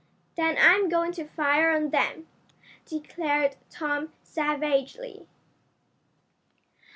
"Then I'm going to fire on them!" declared Tom savagely.